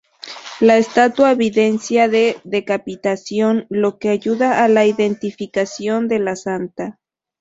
La estatua evidencia la decapitación, lo que ayuda a la identificación de la santa.